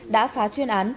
đã phá chuyên án